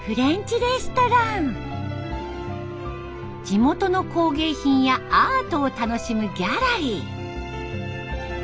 地元の工芸品やアートを楽しむギャラリー。